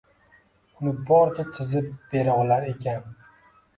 Uni boricha chizib bera olar ekan.